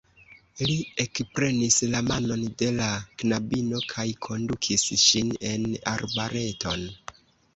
Li ekprenis la manon de la knabino kaj kondukis ŝin en arbareton.